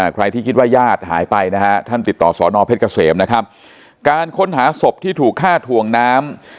ใครที่คิดว่ายาดหายไปท่านติดต่อสพครับการค้นหาศพที่ถูกฆ่าถวงน้ำ